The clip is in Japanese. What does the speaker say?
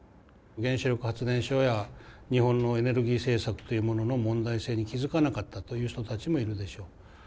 原子力発電所や日本のエネルギー政策というものの問題性に気付かなかったという人たちもいるでしょう。